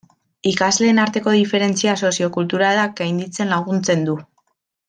Ikasleen arteko diferentzia soziokulturalak gainditzen laguntzen du.